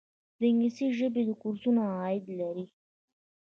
د انګلیسي ژبې کورسونه عاید لري؟